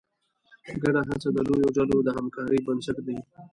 ګډه هڅه د لویو ډلو د همکارۍ بنسټ دی.